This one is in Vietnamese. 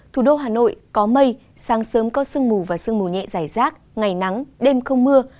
thủ đô hà nội có mây sáng sớm có sương mù và sương mù nhẹ dài rác ngày nắng đêm không mưa